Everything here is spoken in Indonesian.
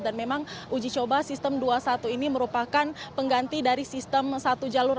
dan memang uji coba sistem dua puluh satu ini merupakan pengganti dari sistem satu jalur